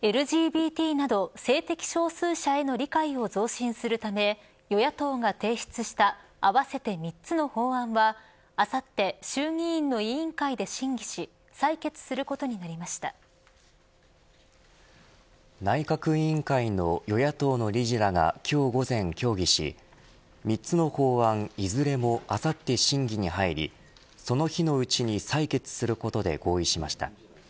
ＬＧＢＴなど性的少数者への理解を増進するため与野党が提出した合わせて３つの法案はあさって衆議院の委員会で審議し内閣委員会の与野党の理事らが今日午前、協議し３つの法案いずれもあさって審議に入りその日のうちに採決することで合意しました。